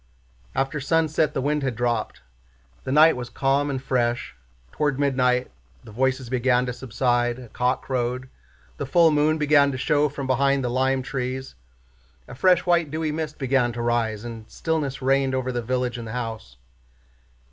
After sunset the wind had dropped. The night was calm and fresh. Toward midnight the voices began to subside, a cock crowed, the full moon began to show from behind the lime trees, a fresh white dewy mist began to rise, and stillness reigned over the village and the house.